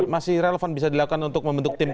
masih relevan bisa dilakukan untuk membentuk tim